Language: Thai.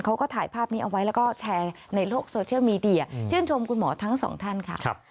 เขาก็ถ่ายภาพนี้เอาไว้แล้วก็แชร์ในโลกโซเชียลมีเดียชื่นชมคุณหมอทั้งสองท่านค่ะ